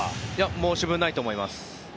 申し分ないと思います。